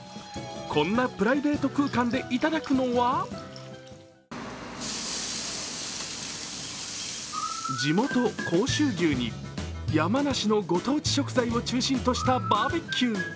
こんなプライベート空間でいただくのは地元・甲州牛に山梨のご当地食材を中心としたバーベキュー。